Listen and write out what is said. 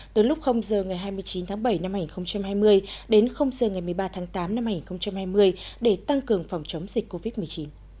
từ lúc giờ ngày hai mươi chín tháng bảy năm hai nghìn hai mươi đến h ngày một mươi ba tháng tám năm hai nghìn hai mươi để tăng cường phòng chống dịch covid một mươi chín